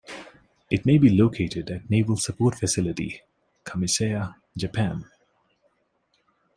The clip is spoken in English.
It may be located at Naval Support Facility Kamiseya, Japan.